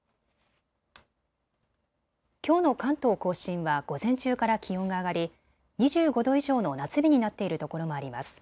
きょうの関東甲信は午前中から気温が上がり２５度以上の夏日になっているところもあります。